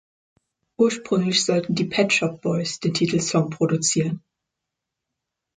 Ursprünglich sollten die Pet Shop Boys den Titelsong produzieren.